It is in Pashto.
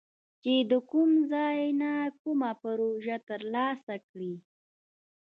چې د کوم ځای نه کومه پروژه تر لاسه کړي